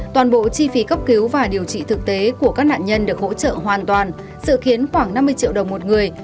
toàn bộ chi phí cấp cứu và điều trị thực tế của các nạn nhân được hỗ trợ hoàn toàn sự khiến khoảng năm mươi triệu đồng một người